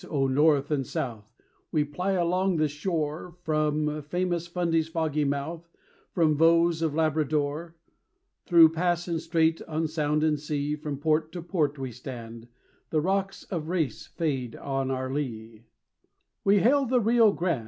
O North and South! We ply along the shore, From famous Fundy's foggy mouth, From voes of Labrador; Thro' pass and strait, on sound and sea, From port to port we stand The rocks of Race fade on our lee, We hail the Rio Grande.